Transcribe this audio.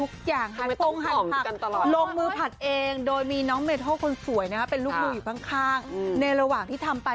ข้าวผัดไม่ต้องเตินน้ำตาล